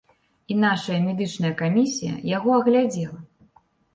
І нашая медычная камісія яго аглядзела.